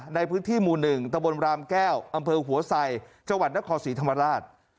ในพื้นที่หมู่๑ตะบนรามแก้วอำเภอหัวไสจังหวัดนครศรีธรรมราช